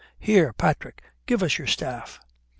Here, Patrick, give us your staff."